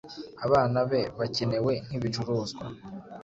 abana be bakenewe nk'ibicuruzwa